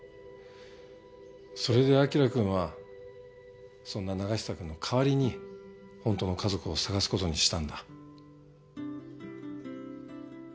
それで輝くんはそんな永久くんの代わりに本当の家族を捜す事にしたんだ？